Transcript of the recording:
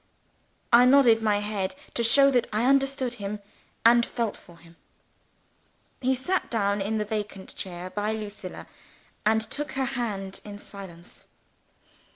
I nodded my head to show that I understood him and felt for him. He sat down in the vacant chair by Lucilla, and took her hand in silence.